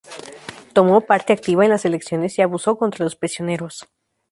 Tomó parte activa en las selecciones y abuso contra los prisioneros.